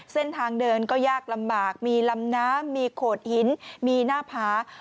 เส้นทางเดินก็ยากลำบากมีลำน้ำมีโขดหินมีหน้าผา